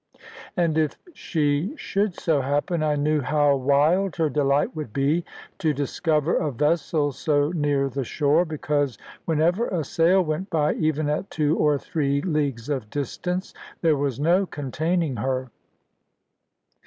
And if she should so happen, I knew how wild her delight would be to discover a vessel so near the shore; because whenever a sail went by, even at two or three leagues of distance, there was no containing her.